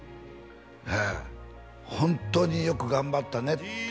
ええ「本当によく頑張ったね」って